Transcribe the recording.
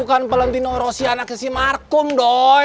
bukan valentino rossi anaknya si markum doi